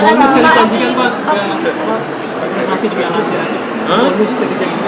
mau ngurusin ke pak erik